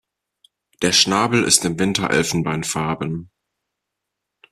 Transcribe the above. Der Schnabel ist im Winter elfenbeinfarben.